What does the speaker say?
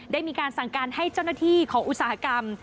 ได้มีการสั่งการให้เจ้าหน้าที่ของอุตสาหกรรม